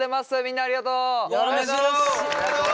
みんなありがとう。